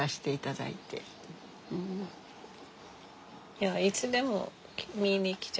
いやいつでも見に来て。